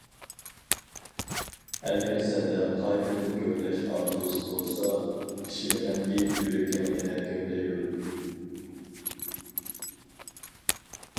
ئەگەر سەندە قايتىدىن كۆكلەش ئارزۇسى بولسا، ئىشىنىمەنكى يۈرىكىڭ يەنە كۆكلەيدۇ.